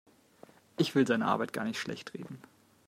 Ich will seine Arbeit gar nicht schlechtreden.